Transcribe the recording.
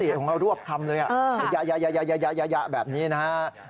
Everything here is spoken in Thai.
พี่ติของเขารวบคำเลยยะแบบนี้นะครับ